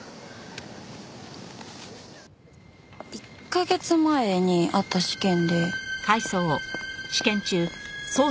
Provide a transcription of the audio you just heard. １カ月前にあった試験で。